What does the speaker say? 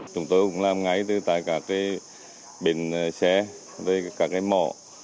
chúng tôi cũng làm ngay từ tại các cái bình xe với các cái mỏ